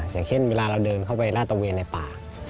อย่างเช่นเวลาเราเดินเข้าไปลาดตะเวนในป่า